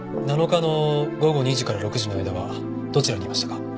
７日の午後２時から６時の間はどちらにいましたか？